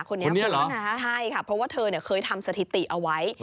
คนนี้นะใช่ค่ะเพราะว่าเธอเคยทำสถิติเอาไว้